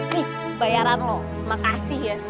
nih bayaran loh makasih ya